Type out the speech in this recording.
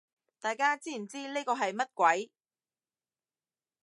大家知唔知呢個係乜鬼